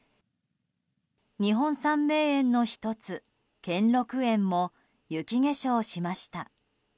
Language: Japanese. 日本三名園の１つ兼六園も雪化粧しました。